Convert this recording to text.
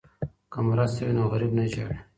که مرسته وي نو غریب نه ژاړي.